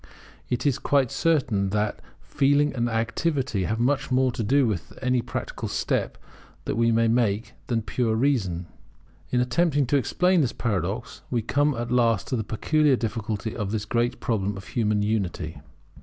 It is quite certain that Feeling and Activity have much more to do with any practical step that we take than pure Reason. In attempting to explain this paradox, we come at last to the peculiar difficulty of this great problem of human Unity.